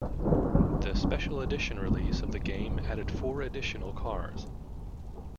The "Special Edition" release of the game added four additional cars.